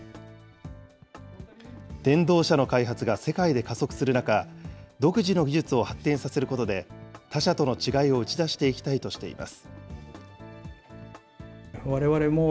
電動車の開発が世界で加速する中、独自の技術を発展させることで、他社との違いを打ち出していきたいとしています。